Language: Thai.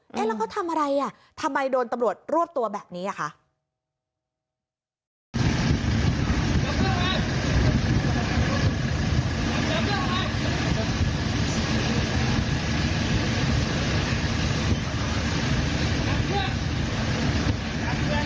แล้วเขาทำอะไรอ่ะทำไมโดนตำรวจรวบตัวแบบนี้อ่ะคะ